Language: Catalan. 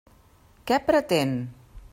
Què pretén?